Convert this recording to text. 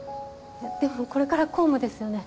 でもこれから公務ですよね。